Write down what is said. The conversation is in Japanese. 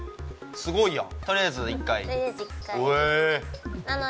すごいやん。